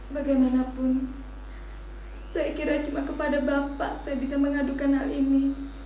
bagaimanapun saya kira cuma kepada bapak saya bisa mengadukan hal ini